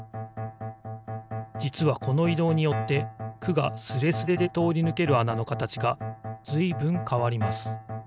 じつはこのいどうによって「く」がスレスレでとおりぬけるあなのかたちがずいぶんかわります。